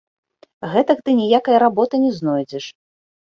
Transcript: Гэтак ты ніякае работы не знойдзеш.